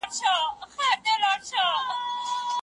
اسلام د قسم کفاره د مريي يا مينځي ازادول وټاکله